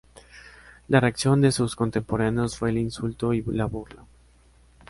La reacción de sus contemporáneos fue el insulto y la burla.